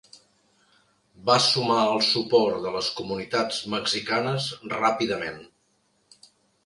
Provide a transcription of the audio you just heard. Va sumar el suport de les comunitats mexicanes ràpidament.